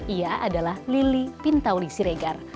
ia adalah lili pintauli siregar